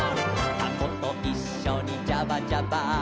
「タコといっしょにジャバ・ジャバ」